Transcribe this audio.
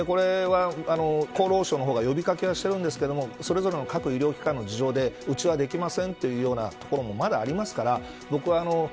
これは厚労省の方が呼び掛けをしているんですがそれぞれの各医療機関の事情でうちはできませんという所までありますから。